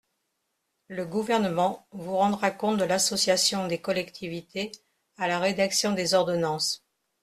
Le Gouvernement vous rendra compte de l’association des collectivités à la rédaction des ordonnances.